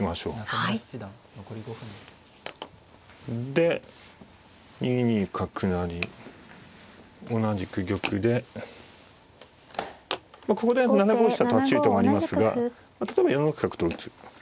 で２二角成同じく玉でここで７五飛車と走る手もありますが例えば４六角と打つ。